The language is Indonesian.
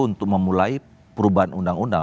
untuk memulai perubahan undang undang